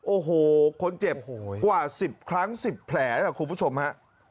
โอ้โหคนเจ็บกว่า๑๐ครั้ง๑๐แผลนะคุณผู้ชมฮะ